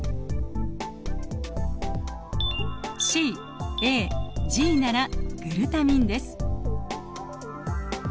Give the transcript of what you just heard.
ＣＡＧならグルタミンです。